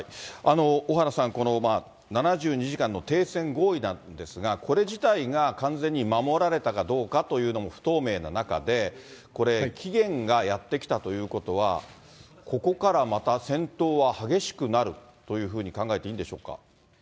小原さん、７２時間の停戦合意なんですが、これ自体が完全に守られたかどうかというのも不透明な中で、これ、期限がやって来たということは、ここからまた戦闘は激しくなるというふうに考えていいんでしょうか。